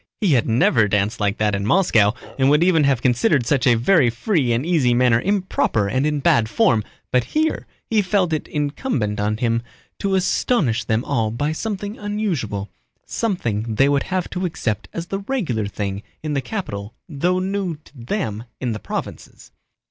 He had never danced like that in Moscow and would even have considered such a very free and easy manner improper and in bad form, but here he felt it incumbent on him to astonish them all by something unusual, something they would have to accept as the regular thing in the capital though new to them in the provinces.